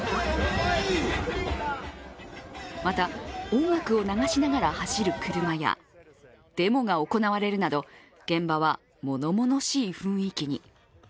また、音楽を流しながら走る車やデモが行われるなど、現場はものものしい雰囲気に。